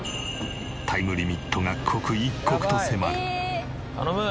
タイムリミットが刻一刻と迫る。